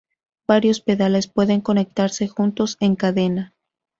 Varios pedales pueden conectarse juntos en cadena.